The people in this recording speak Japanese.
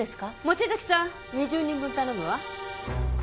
望月さん２０人分頼むわ。